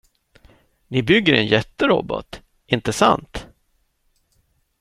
Ni bygger en jätterobot, inte sant?